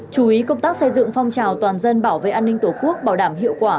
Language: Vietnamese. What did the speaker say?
chú ý công tác xây dựng phong trào toàn dân bảo vệ an ninh tổ quốc bảo đảm hiệu quả